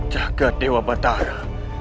jaga dewa batara